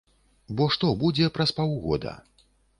Бо што будзе праз паўгода?